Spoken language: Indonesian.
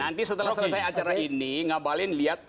nanti setelah selesai acara ini ngabalin lihat